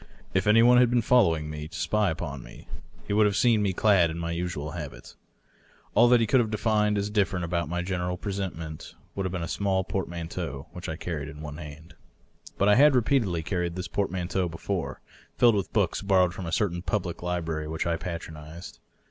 If any one had been following me to spy upon me he would have seen me clad in my usual habit. AH that he could have defined as different about my general presentment would have been a small portmanteau, which I carried in one hand. DOUGLAS DUANE. 607 But I had repeatedly carried this portmanteau before, filled with books borrowed from a certain public library which I patronized.